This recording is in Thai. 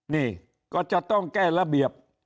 นี่ก็จะต้องแก้ระเบียบ